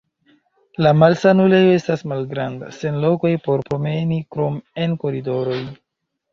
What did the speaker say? La malsanulejo estas malgranda, sen lokoj por promeni krom en koridoroj.